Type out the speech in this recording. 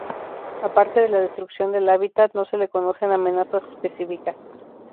Aparte de la destrucción del hábitat, no se le conocen amenazas específicas.